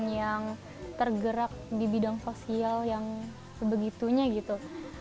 yang tergerak di bidang sosial yang sebegitunya gitu